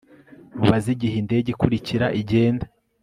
Mubaze igihe indege ikurikira igenda